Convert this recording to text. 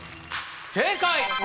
正解！